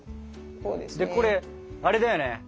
これあれだよね